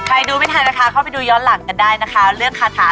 ดูไม่ทันนะคะเข้าไปดูย้อนหลังกันได้นะคะเลือกคาถา